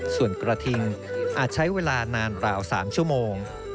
ส่วนกระทิงอาจใช้เวลานานราว๓ชั่วโมง